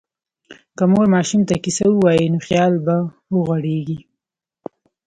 که مور ماشوم ته کیسه ووایي، نو خیال به وغوړېږي.